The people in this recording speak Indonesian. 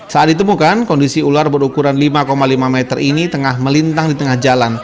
saat ditemukan kondisi ular berukuran lima lima meter ini tengah melintang di tengah jalan